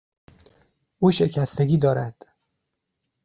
او شکستگی دارد.